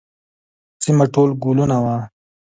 سیمه ټول ګلونه وه.